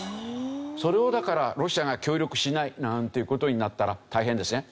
それをだからロシアが協力しないなんていう事になったら大変ですね。